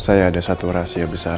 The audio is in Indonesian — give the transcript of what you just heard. saya ada satu rahasia besar